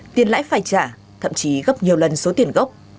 tiền lãi phải trả thậm chí gấp nhiều lần số tiền gốc